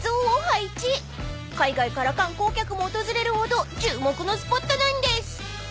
［海外から観光客も訪れるほど注目のスポットなんです］